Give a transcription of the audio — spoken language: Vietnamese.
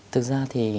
thực ra thì